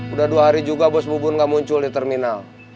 udah dua hari juga bus bubun nggak muncul di terminal